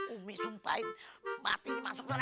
umi sumpahin mati masuk neraka